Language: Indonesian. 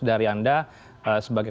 dari anda sebagai